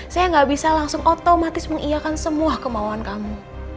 saya gak bisa langsung otomatis mengiakan semua kemauan kamu